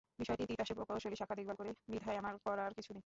বিষয়টি তিতাসের প্রকৌশল শাখা দেখভাল করে বিধায় আমার করার কিছু নেই।